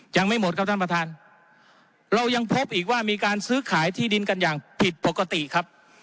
ยังไม่หมดครับท่านประธานเรายังพบอีกว่ามีการซื้อขายที่ดินกันอย่างผิดปกติครับ